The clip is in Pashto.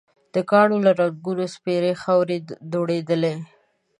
د کاڼو له رنګونو سپېرې خاورې دوړېدلې.